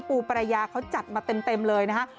ปูปรายาเขาจัดมาเต็มเลยนะฮะ